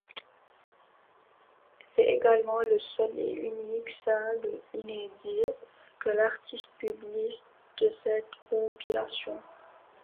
C'est également le seul et unique single inédit que l'artiste publie de cette compilation.